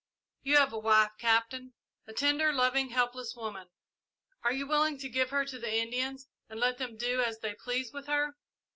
"You have a wife, Captain a tender, loving, helpless woman. Are you willing to give her to the Indians and let them do as they please with her?